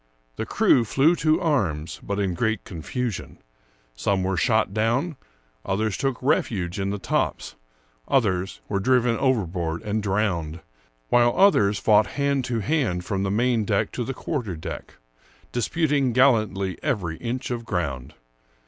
The crew flew to arms, but in great confusion ; some were shot down, others took refuge in the tops, others were driven overboard and drowned, while others fought hand to hand from the main deck to the quarter deck, disputing gallantly every inch of ground.